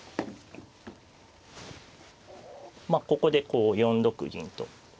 まあここでこう４六銀と。